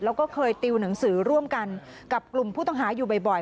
แล้วก็เคยติวหนังสือร่วมกันกับกลุ่มผู้ต้องหาอยู่บ่อย